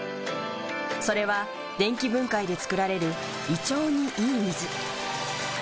それは電気分解で作られる胃腸にいい水。